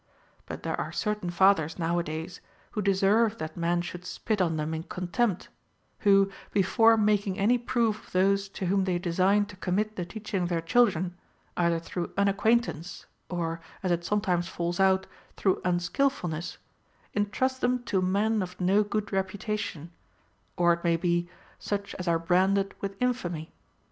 But there are certain fathers nowadays who deserve that men should spit on them in contempt, who, before making any proof of those to whom they design to commit the teaching of their children, either through un acquaintance, or, as it sometimes falls out, through unskil fulness, intrust them to men of no good reputation, or, it may be, such as are branded with infamy.